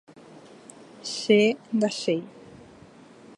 Che ndachéi.